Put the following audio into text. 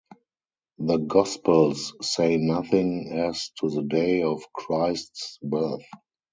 The Gospels say nothing as to the day of Christ's birth.